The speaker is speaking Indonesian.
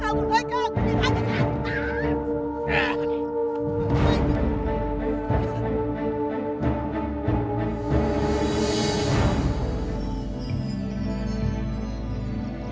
kamu naik ke atas